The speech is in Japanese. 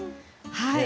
はい。